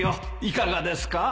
いかがですか？